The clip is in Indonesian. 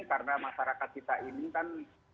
karena masyarakat kita ini kan